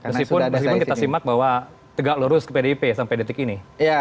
meskipun meskipun kita simak bahwa tegak lurus ke pdip sampai detik ini